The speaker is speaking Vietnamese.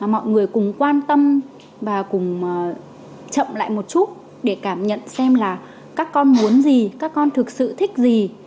mọi người cùng quan tâm và cùng chậm lại một chút để cảm nhận xem là các con muốn gì các con thực sự thích gì